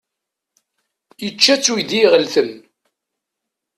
Yečča-t uydi iɣelten.